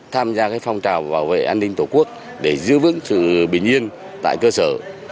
tham gia phong trào bảo vệ an ninh tổ quốc để giữ vững sự bình yên tại cơ sở